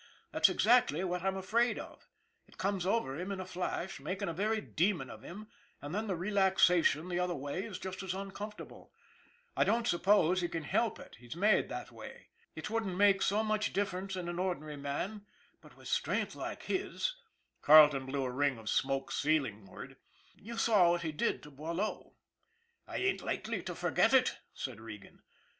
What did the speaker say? "That's exactly what I am afraid of. It comes over him in a flash, making a very demon of him, and then the relaxation the other way is just as uncontrollable. I don't suppose he can help it, he's made that way. It wouldn't make so much difference in an ordinary man, but with strength like his " Carleton blew a ring of smoke ceilingwards " you saw what he did to Boileau." " I ain't likely to forget it," said Regan.